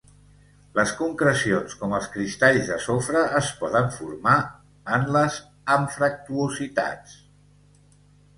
Les concrecions com els cristalls de sofre es poden formar en les anfractuositats.